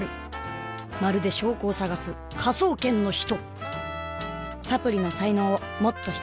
まるで証拠を探す「科捜研の人」！！